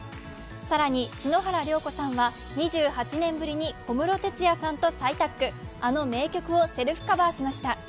更に篠原涼子さんは２８年ぶりに小室哲哉さんと再タッグ、あの名曲をセルフカバーしました。